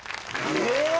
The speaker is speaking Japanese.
えっ